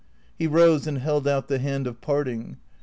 He rose and held out the hand of parting.